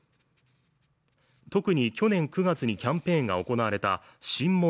特に去年９月にキャンペーンが行われた新物！